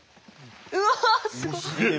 うわっすごい！